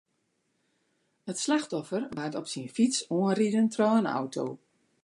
It slachtoffer waard op syn fyts oanriden troch in auto.